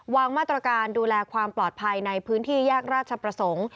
วางมาตรการดูแลความปลอดภัยในพื้นที่แยกราชประสงค์